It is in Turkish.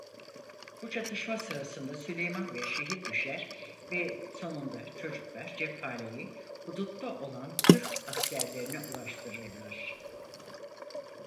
Bu çatışma sırasında Süleyman Bey şehit düşer ve sonunda çocuklar cephaneyi hudutta olan Türk askerlerine ulaştırırlar.